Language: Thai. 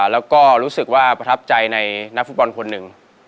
แล้วก็รู้สึกว่าประทับใจในนักฟุตบอลคนหนึ่ง